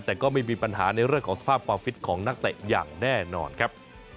แต่ก็ไม่มีปัญหาในเรื่องของสภาพความฟิตของนักเตะอย่างแน่นอนครับ